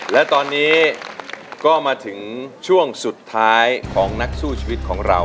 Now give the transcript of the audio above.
และตอนนี้ก็มาถึงช่วงสุดท้ายของนักสู้ชีวิตของเรา